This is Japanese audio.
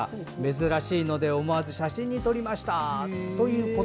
珍しいので思わず写真に撮りました。